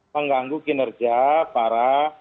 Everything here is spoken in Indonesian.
mengganggu kinerja para